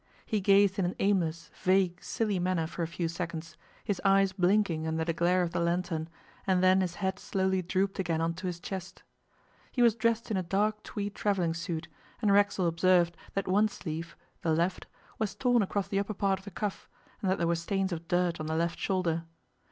He gazed in an aimless, vague, silly manner for a few seconds, his eyes blinking under the glare of the lantern, and then his head slowly drooped again on to his chest. He was dressed in a dark tweed travelling suit, and Racksole observed that one sleeve the left was torn across the upper part of the cuff, and that there were stains of dirt on the left shoulder.